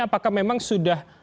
apakah memang sudah